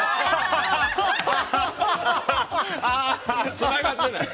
つながってない。